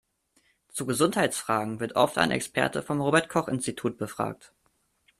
Zu Gesundheitsfragen wird oft ein Experte vom Robert-Koch-Institut befragt.